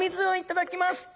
頂きます。